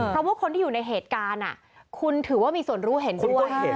เพราะว่าคนที่อยู่ในเหตุการณ์คุณถือว่ามีส่วนรู้เห็นด้วย